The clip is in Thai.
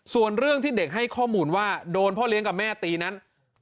ส่วนเรื่องที่เด็กให้ข้อมูลว่าโดนพ่อเลี้ยงกับแม่ตีนั้น